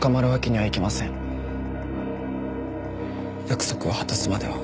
約束を果たすまでは。